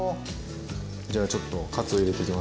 じゃあちょっとカツを入れていきます。